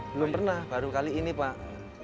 belum pernah baru kali ini pak